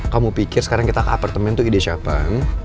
kamu pikir sekarang kita ke apartemen itu ide siapaan